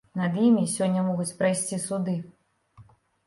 Над імі сёння могуць прайсці суды.